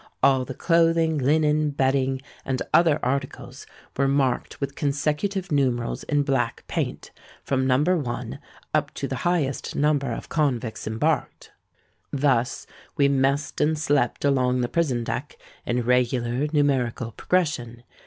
All the clothing, linen, bedding, and other articles were marked with consecutive numerals in black paint, from No. 1. up to the highest number of convicts embarked. Thus, we messed and slept along the prison deck in regular numerical progression.